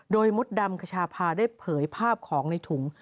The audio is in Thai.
โดยมดดำขชาพาได้เผยภาพของในถุง